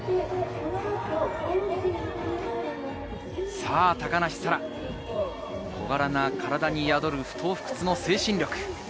さぁ高梨沙羅、小柄な体に宿る不撓不屈の精神力。